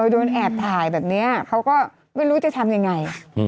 โดนแอบถ่ายแบบนี้เขาก็ไม่รู้จะทำยังไง